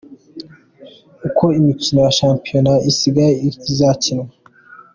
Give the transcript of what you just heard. Uko imikino ya Shampiona isigaye izakinwa.